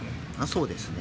そうですね。